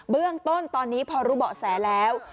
เบื้องต้นตอนนี้พอรู้เบาะแสแล้ว